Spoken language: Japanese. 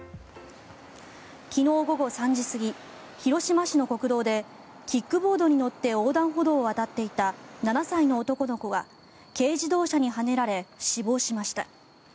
昨日午後３時過ぎ広島市の国道でキックボードに乗って横断歩道を渡っていた７歳の男の子が軽自動車にはねられ死亡しました。